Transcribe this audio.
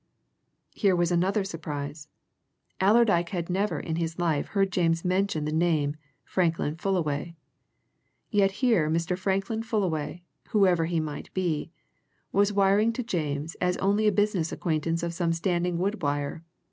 Here was another surprise: Allerdyke had never in his life heard James mention the name Franklin Fullaway. Yet here Mr. Franklin Fullaway, whoever he might be, was wiring to James as only a business acquaintance of some standing would wire.